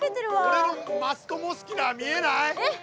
俺のマストモスキュラー見えない？えっ？